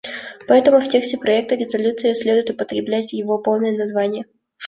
Поэтому в тексте проекта резолюции следует употреблять его полное название.